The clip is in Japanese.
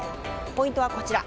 ポイントはこちら。